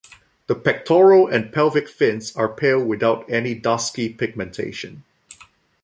The pectoral and pelvic fins are pale without any dusky pigmentation.